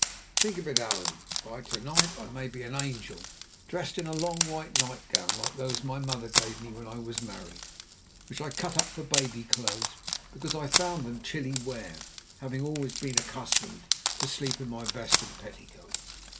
Think of it, Allan, by to night I may be an angel, dressed in a long white nightgown like those my mother gave me when I was married, which I cut up for baby clothes because I found them chilly wear, having always been accustomed to sleep in my vest and petticoat.